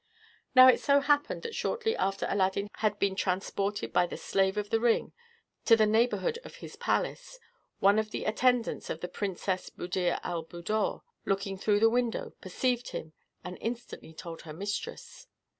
Now it so happened that shortly after Aladdin had been transported by the slave of the ring to the neighborhood of his palace, one of the Attendants of the Princess Buddir al Buddoor, looking through the window, perceived him, and instantly told her mistress.